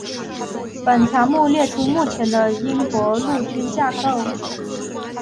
本条目列出目前的英国陆军架构。